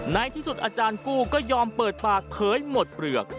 ในที่สุดอาจารย์กู้ก็ยอมเปิดปากเผยหมดเปลือก